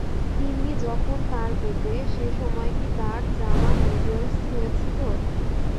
তিন্নি যখন তাঁর পেটে, সে-সময় কি তাঁর জামান মিজেলস হয়েছিল?